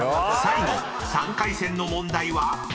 ［最後３回戦の問題は］